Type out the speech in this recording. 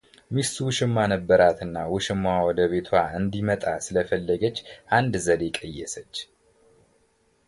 ሚስቱ ውሽማ ነበራትና ውሽማዋ ወደቤቷ እንዲመጣ ስለፈለገች አንድ ዘዴ ቀየሰች፡፡